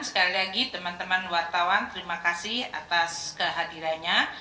sekali lagi teman teman wartawan terima kasih atas kehadirannya